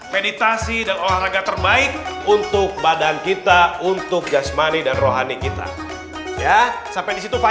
meditasi dan olahraga terbaik untuk badan kita untuk jasmani dan rohani kita ya sampai disitu pak